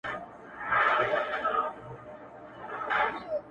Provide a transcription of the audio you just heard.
مخ په مړوند کله پټیږي،